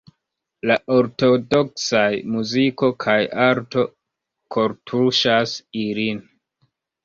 La ortodoksaj muziko kaj arto kortuŝas ilin.